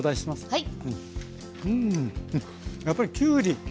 はい。